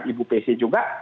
ibu pc juga